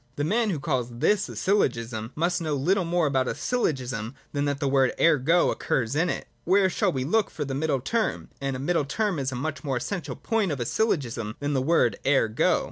The man who calls this a syllogism, must know little more about a syllogism than that the word ' Ergo ' occurs in it. Where shall we look for the middle term ? And a middle term is a much more essential point of a syllogism than the word ' Ergo.'